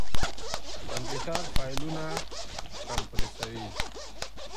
کمپيوټر فايلونه کمپريسوي.